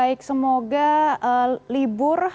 baik semoga libur